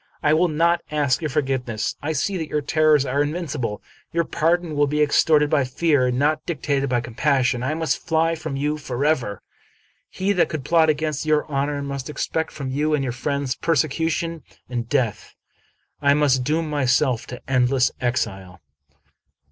I will not ask your forgiveness. I see that your terrors are invincible. Your pardon will be ex torted by fear, and not dictated by compassion. I must fly from you forever. He that could plot against your honor must expect from you and your friends persecution and death. I must doom myself to endless exile."